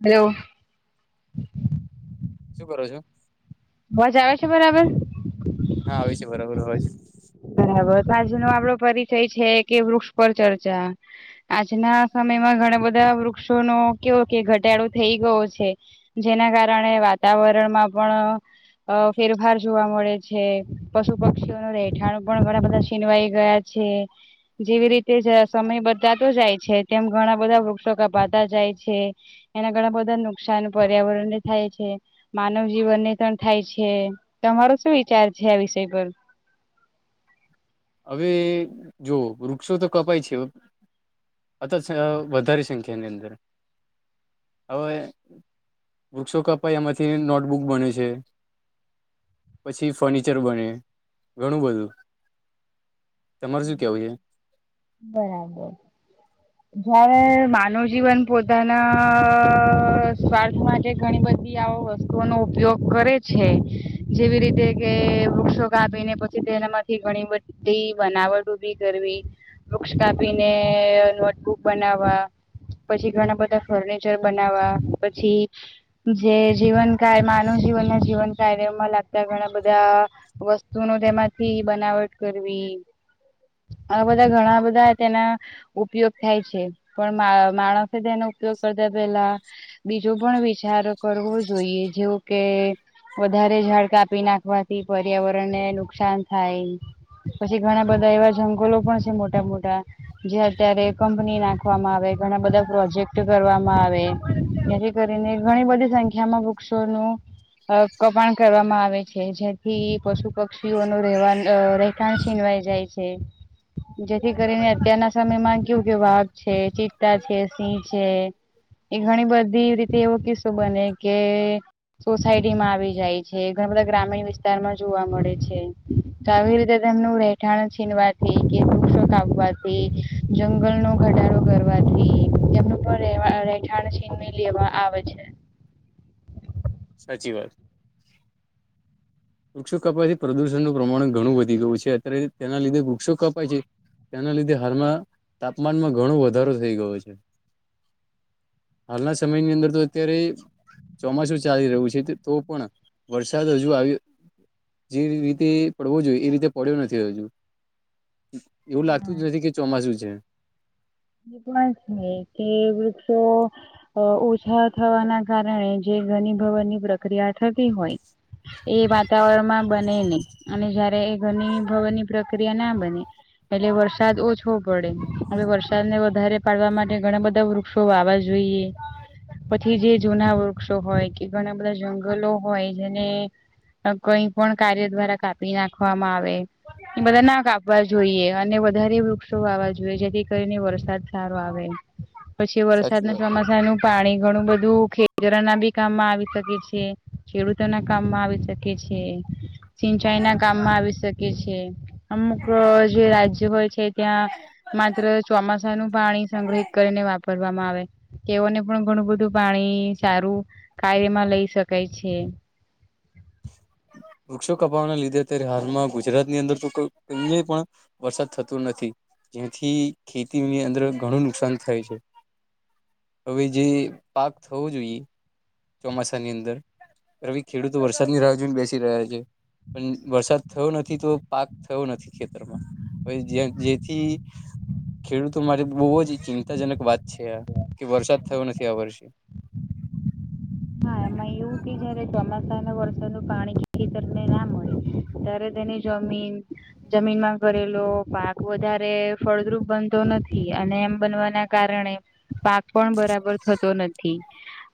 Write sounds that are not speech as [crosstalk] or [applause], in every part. Hello. શું કરો છો? અવાજ આવે છે બરાબર? હા, આવે છે બરાબર અવાજ. બરાબર. તો આજનો આપણો પરિચય છે કે વૃક્ષ પર ચર્ચા આજના સમયમાં, ઘણા બધા વૃક્ષોનો કેવો, કે ઘટાડો થઈ ગયો છે. જેના કારણે વાતાવરણમાં પણ અ ફેરફાર જોવા મળે છે. પશુપક્ષીઓનું રહેઠાણ પણ ઘણાબધા છીનવાઈ ગયા છે. જેવી રીતે જરા સમય બતાતો જાય છે, તેમ ઘણા બધા વૃક્ષો કાપાતા જાય છે. એના ઘણાબધા નુકશાન પર્યાવરણને થાય છે. માનવ જીવનને પણ થાય છે. તમારો સુ વિચાર છે, આ વિષય પર? હવે, જો વૃક્ષો તો કપાય છે હવ અથ છ વધારે સંખ્યાની અંદર હવે, વૃક્ષો કપાય એમાંથી નોટબુક બને છે. પછી ફર્નિચર બને, ઘણું બધું તમાર સુ કેવું છે? બરાબર. [inaudible] જયારે માનવ જીવન પોતાના સ્વાર્થ માટે ઘણી બધી આવ વસ્તુ ઓનો ઉપયોગ કરે છે, જેવી રીતે કે વૃક્ષો કાપીને પછી તે એનામાંથી ઘણી બધી ધી બનાવટ ઉભી કરવી, વૃક્ષ કાપીને નોટબુક બનાવવા, પછી ઘણા બધા ફર્નિચર બનાવવા, પછી જે જીવન કાયમાં, માનવ જીવનના જીવન કાયૉમાં લાગતા ઘણા બધા વસ્તુનું તેમાંથી બનાવટ કરવી. આ બધા ઘણા બધા તેના ઉપયોગ થાય છે પણ માણસે તેનો ઉપયોગ કરતા પેલા બીજો પણ વિચાર કરવો જોઈએ જેવું કે વધારે ઝાડ કાપી નાખવાથી પર્યાવરણ ને નુકસાન થાય પછી ઘણા બધા એવા જંગલો પણ છે મોટા મોટા જે અત્યારે કંપની નાખવામાં આવે ઘણા બધા પ્રોજેક્ટ કરવામાં આવે કરીને ઘણી બધી સંખ્યામાં વૃક્ષોનું કબાણ કરવામાં આવે છે, જેથી પશુ, પક્ષીઓનું રહેવા થાણ છીનવાઈ જાય છે. જેથી કરીને અત્યારના સમયમાં કેવું કેયો વાઘ છે, ચિત્તા છે, સિંહ છે. એ ઘણી બધી રીતે એવો કિસ્સો બને કે સોસાયટીમાં આવી જાય છે. ઘણા બધા ગ્રામીણ વિસ્તારમાં જોવા મળે છે. તો આવી રીતે તેમનું રહેઠાણ છીનવા થઈ કે- કાપવાથી જંગલનો ઘટાડો કરવાથી એમનું પણ રહેઠાણ લેવા આવે છે. સાચી વાત. વૃક્ષો કપાય છે. પ્રદુષણનું પ્રમાણ ઘણું વધી ગયું છે. અત્યારે તેના લીધે વૃક્ષો કપાય છે. તેના લીધે હાલમાં, તાપમાનમાં ઘણો વધારો થઈ ગયો છે. હાલના સમયની અંદર તો અત્યારે ચોમાસું ચાલી રહ્યું છે તો પણ વરસાદ હજુ આવી જે રીતે પડવો જોઈએ એ રીતે પડ્યો નથી હજુ. એવું લાગતું જ નથી કે ચોમાસું છે. જે પણ છે કે વૃક્ષો ઓછા થવાના કારણે જે ઘણી ભવનની પ્રક્રિયા થતી હોય એ વાતાવરણમાં બને નહી અને જયારે એ ઘરની ભવનની પ્રક્રિયા ના બને એટલે વરસાદ ઓછો પડે વરસાદ ને વધારે પાડવા માટે ઘણા બધા વૃક્ષો વાવા જોઈએ. પછી જે જૂના વૃક્ષો હોય કે ઘણા બધા જંગલો હોય જેને કઈ પણ કાર્ય દ્વારા કાપી નાખવામાં આવે. બધા ના કાપવા જોઈએ અને વધારે વૃક્ષો વાવા જોઈએ જેથી કરીને વરસાદ સારો આવે પછી વરસાદ સાચી ના વાત સમમાસા નું પાણી ઘણું બધું ખેતરો ના બી કામ માં આવી શકે છે ખેડૂતો ના કામમાં આવી શકે. છે સિંચાઈ ના કામમાં આવી શકે છે. અમુક જે રાજ્ય હોય છે ત્યાં માત્ર ચોમાસા નું પાણી સંગ્રહિત કરીને વાપરવામાં આવે. તેઓને પણ ઘણું બધું પાણી સારું કાર્યમાં લઈ શકાય છે. વૃક્ષો કપાવાના લીધે અત્યારે હાલમાં ગુજરાત ની અંદર તો પણ વરસાદ થતો નથી જેથી ખેતીની અંદર ઘણું નુકસાન થાય છે. હવે જે પાક થવો જોઈએ ચોમાસા ની અંદર રવિ ખેડૂતો વરસાદની રાહ જોઈને બેસી રહ્યા છે. પણ વરસાદ થયો નથી તો પાક થયો નથી ખેતરમાં. જેથી ખેડૂતો માટે બહુ જ ચિંતાજનક વાત છે આ કે વરસાદ થયો નથી આ વર્ષે. હા એમાં એવું કે જયારે ચોમાસા વરસા વરસાદ ન પાણી ખેતરને ના મળે ત્યારે તેની જમીન જમીનમાં કરેલો પાક વધારે ફળદ્રુપ બનતો નથી અને એમ બનવાના કારણે પાક પણ બરાબર થતો નથી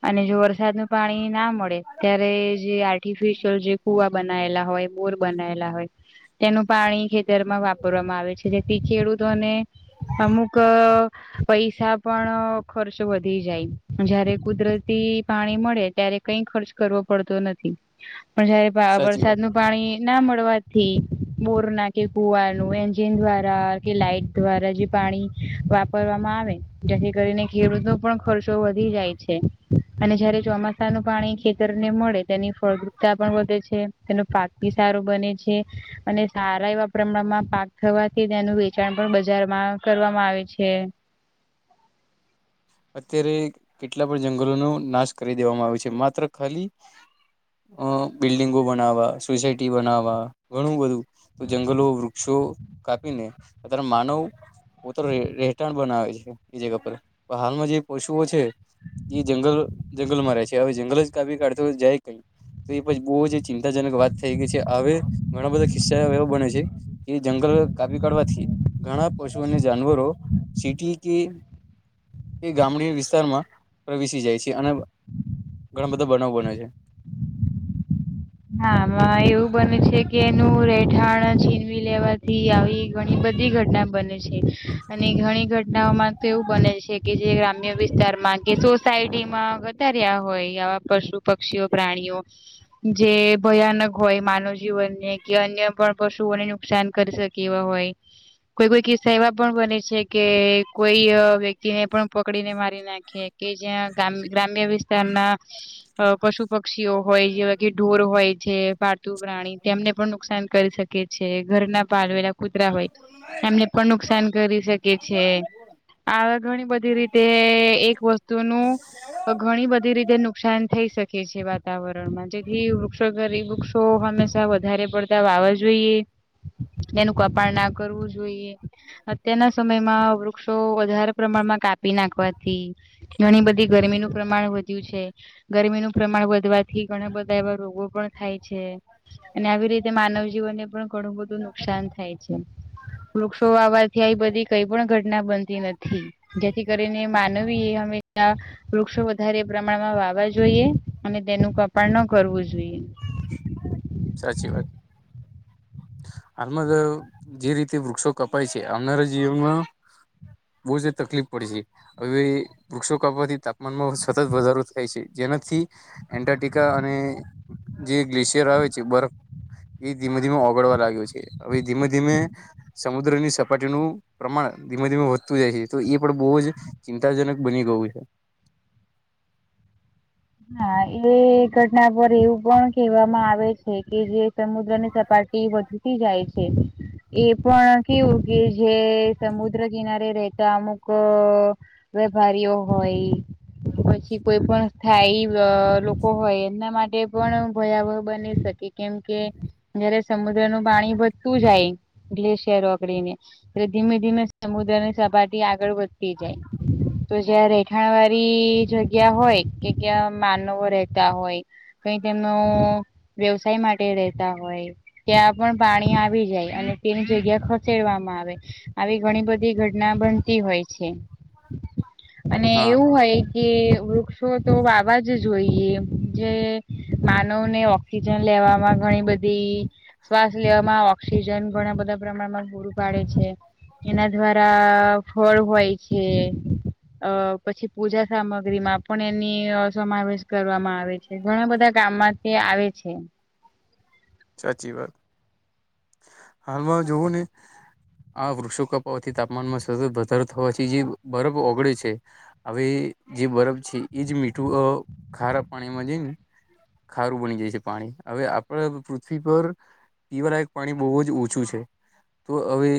અને જો વર વરસાદ નું પાણી ના મળે ત્યારે જે આર્ટિફિશયલ જે કુવા બનાયેલા હોય બોર બનાયેલા હોય તેનું પાણી ખેતરમાં વાપરવામાં આવે છે જેથી ખેડૂતોને અમુક પૈસા પણ ખર્ચ વધી જાય જયારે કુદરતી પાણી મળે ત્યારે કઈ ખર્ચ કરવો પડતો નથી પણ જયારે સાચી વાત વરસાદ નું પાણી ના મળવાથી બોર ના કે કુવાનું એજિન દ્વારા કે લાાઈટ દ્વારા જે પાણી વાપરવામાં આવે જેથી કરીને ખેડૂતો પણ ખર્ચો વધી જાય છે. અને જયારે ચોમાસા નું પાણી ખેતરને મળે તેની ફળદ્રપતા પણ વધે છે. તેનો પાક ભી સારો બને છે. અને સારા એવા પ્રમાણમાં પાક થવાથી તેનું વેચાણ પણ બજારમાં કરવામાં આવે છે. અત્યારે કેટલા પણ જંગલોનો નાશ કરી દેવામાં આવ્યો છે માત્ર ખાલી અ બિલ્ડિંગો બનાવવા સોસાયટી બનાવવા ઘણું બધું તો જંગલો વૃક્ષો કાપીને અ્યારે માનવ પો રહેઠાણ બનાવે છે એ જગ પર હાલમાં જે પશુઓ છે એ જંગલ જંગલમાં રહે છે હવે જંગલ જ કાપી કાઢતો જાય કઈ તો એ પણ બહુ જ ચિંતાજનક વાત થઈ ગઈ છે હવે ઘણા બધા ખિસ્સા એવો બને છે કે જંગલ કાપી કાઢવાથી ઘણા પશુ અને જાનવરો સીટી કે એ ગામડી વિસ્તારમાં પ્રવેશી જાય છે અને ઘણા બધા બનાવ બન્યો છે હામાં એવું બને છે કે એનું રહેઠાણ છીનવી લેવાથી આવી ઘણી બધી ઘટના બને છે અને ઘણી ઘટનાઓમાં તો એવું બને છે કે જે ગ્રામ્ય વિસ્તારમાં કે સોસાયટીમાં વધારે્યા હોય આવા પશુ પક્ષીઓ પ્રાણીઓ જે ભયાનક હોય માનવ જીવનને કે અન્ય પણ પશુઓને નુકસાન કરી શકે એવા હોય કોઈ કોઈ કિસ્સા એવા પણ બને છે કે કોઈ વ્યક્તિને પણ પકડીને મારી નાખે કે જ્યાં ગ્રામ્ય વિસ્તારના પશુ પક્ષીઓ હોય જેવા કે ઢોર હોય જે પ્રાણી તેમને પણ નુકસાન કરી શકે છે ઘર ના પાલવેલા કૂતરા હોય એમને પણ નુકસાન કરી શકે છે હ ઘણી બધી રીતે એક વસ્તુ નું ઘણી બધી રીતે નુકસાન થઈ શકે છે વાતાવરણમાં જેથી વૃક્ષો ઘરે વૃક્ષો હંમેશા વધારે પડતા વાવા જોઈએ એનું કપાણ ના કરવું જોઈએ અત્યારના સમયમાં વૃક્ષો વધારે પ્રમાણમાં કાપી નાખવાથી ઘણી બધી ગરમીનું પ્રમાણ વધ્યું છે ગરમીનુંું પ્રમાણ વધવાથી ઘણા બધા એવા રોગો પણ થાય છે અને આવી રીતે માનવ જીવનને પણ ઘણું બધું નુકસાન થાય છે વૃક્ષો વાવાથી આવી બધી કઈ પણ ઘટના બનતી નથી જેથી કરીને માનવી એ હંમેશા વૃક્ષો વધારે પ્રમાણમાં વાવા જોઈએ અને તેનું ક ન કરવું જો [inaudible] સાચી વાત હાલમાં જે રીતે વૃક્ષો કપાય છે આવનારા જીવનમાં બહુ એ તકલીફ પડી છે હવે વૃક્ષો કાપવાથી તાપમાનમાં સતત વધારો થાય છે જેનાથી એન્ટારક્ટિકા અને જે ગ્લેશિયર આવે છે બરફ એ ધીમે ધીમે ઓગડવા લાગ્યો છે હવે ધીમે ધીમે સમુદ્રની સપાટીનું પ્રમાણ ધીમે ધીમે વધતું જાય છે તો એ પણ બહુ જ ચિંતાજનક બની ગયું છે હા એ ઘટના પર એવું પણ કહેવામાં આવે છે કે જે સમુદ્ર ની સપાટી વધુ જાય છે એ પણ કેવું કે, જે સમુદ્ર કિનારે રહેતા અમુક. વેપારીઓ હોય, પછી કોઈ પણ થાય, લોકો હોય એમના માટે પણ ભયાવહ બની શકે, કેમકે જયારે સમુદ્ર નું પાણી વધતું જાય ગ્લેશિયર ઓકડીને એટલે ધીમે ધીમે સમુદ્ર ની સપાટી આગળ વધતી જાય તો જ્યાં રહેઠાણ વાળી જગ્યા હોય કે ક્યાં માનવો રહેતા હોય કઈ તેમનો વ્યવસાય માટે તા હોય ત્યાં પણ પાણી આવી જાય અને તેની જગ્યા ખ કહેવામાં આવે, આવી ઘણી બધી ઘટના બનતી હોય છે. અને, હા એવું હોય કે વૃક્ષ તો વાવા જ જોઈએ, જે માનવ ને ઓક્સિજન લેવામાં ઘણી બધી. શ્વાસ લેવામાં ઓક્સિજન ઘણા બધા પ્રમાણમાં પૂરું પાડે છે. એના દ્વારા ફળ હોય છે. અ પછી પૂજા સામગ્રી માં. પણ, એની સમાવેશ કરવામાં આવે, છે ઘણા બધા ગામમાંથી આવે છે. સાચી વાત. હાલમાં જોવું નહીં. આ વૃક્ષો કપાવાથી, તાપમાનમાં સતત વધારો થવાથી જે બરફ ઓગળે છે. હવે, જે બરફ છે એજ મીઠું ખારા પાણીમાં જાય ને. ખારું બની જાય છે પાણી, હવે આપડે પૃથ્વી પર પીવા પાણી બહુ જ ઓછું છે. તો, હવે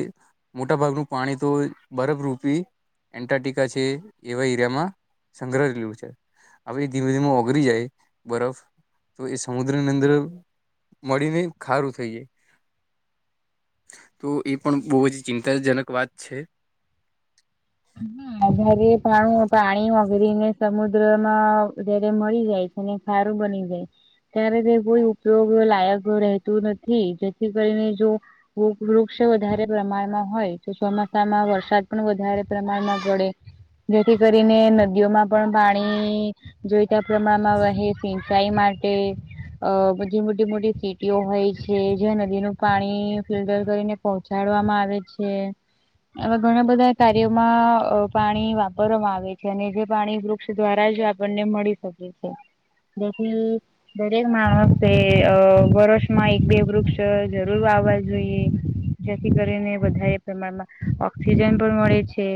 મોટા ભાગનું પાણી તો બરફરૂપી એન્ટારક્ટિકા છે એવા એરિયામાં સંગ્રહ્યું છે. હવે, ધીમે ધીમે ઓગરી જાય બરફ તો, એ સમુદ્રની અંદર મળીને ખારું થઈ જાય. તો એ પણ બહુ જ ચિંતાજનક વાત છે. જારે પાણું પાણી વગરી ને સમુદ્ર માં જારે મળી જાય છે. અને સારું બની જાય. અત્યારે, તે કોઈ ઉપયોગ લાયક રહેતું નથી, જેથી કરીને જો વૃક્ષ વધારે પ્રમાણમાં હોય તો, ચોમાસામાં વરસાદ પણ વધારે પ્રમાણમાં પડે, જેથી કરીને નદીઓમાં પણ પાણી જોઈતા પ્રમાણમાં વહે, સિંચાઈ માટે. અ, બધી મોટી મોટી સીટીઓ હોય છે, જયાં નદીનું પાણી ફિલ્ટર કરીને પહોંચાડવામાં આવે છે, આવા ઘણા બધા કાર્યોમાં. અ, પાણી વાપરવામાં આવે છે અને જે પાણી વૃક્ષ દ્વારા જ આપણને મળી શકે છે. હા, નમસ્તે. અ, વર્ષ માં એક બે વૃક્ષ જરૂર વાવા જોઈએ. જેથી કરીને વધારે પ્રમાણમાં ઓક્સિજન પણ મળે છે.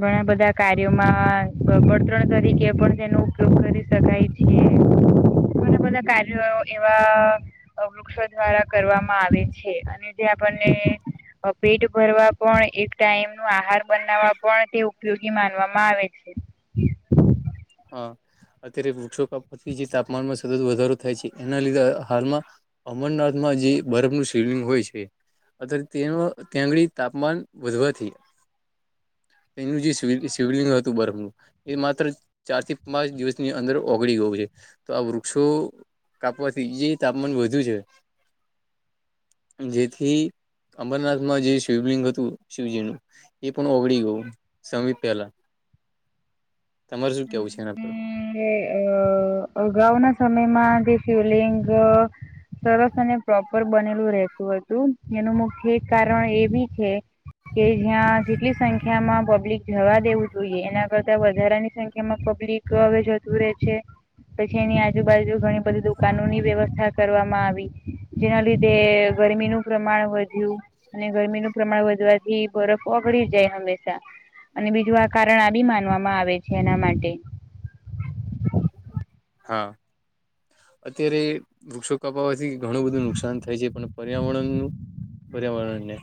ઘણા બધા કાર્યોમાં વળતણ તરીકે પણ તેનો ઉપયોગ કરી શકાય. ઘણા બધા કાર્યો એવા વૃક્ષો દ્વારા કરવામાં આવે છે, અને આપણને પેટ ભરવા પણ, એક ટાઈમ નું આહાર બનાવવા પણ તે ઉપયોગી માનવામાં આવે છે. હા. અત્યારે, વૃક્ષોથી જે તાપમાનમાં સતત વધારો થાય છે, એના લીધે હાલમાં અમરનાથમાં જે બરફનું સિવલિંગ હોય છે. અ, તેનો તેં આંગળી તાપમાન વધવાથી. એનું જે શિવલિંગ હતું, બરફ નું. એ માત્ર ચાર થી પાંચ દિવસની અંદર ઓગળી ગયું છે, તો આ વૃક્ષો કાપવાથી જે તાપમાન વધુ છે. જેથી અંમરનાથમાં જે શિવલિંગ હતું, શિવજી નું. એ પણ ઓગળી ગયું સમય પહેલા, તમાર શું કેવું છે એના પર? અને અ, અગાઉના સમયમાં જે શિવલિંગ સરસ અને પ્રોપર બનેલું રહેતું હતું, એનું મુખ્ય કારણ એ બી છે. કે, જ્યાં જેટલી સંખ્યા માં પબ્લિક જવા દેવું જોઈએ, એના કરતા વધારાની સંખ્યા. એમાં પબ્લિક હવે જતુ રહેે છે પછી એની આજુબાજુ ઘણી બધી દુકાનોની વ્યવસ્થા કરવામાં આવી જેના લીધે ગરમીનુંું પ્રમાણ વધ્યું અને ગરમીનું પ્રમાણ વધવાથી બરફ ઓગડીી જાય હંમેશા અને બીજું આ કારણ આ બી માનવામાં આવે છે એના માટે હા અત્યારે વૃક્ષો કપાવવાથી ઘણું બધું નુકસાન થાય છે પણ પર્યાવરણનું બર્યા મળને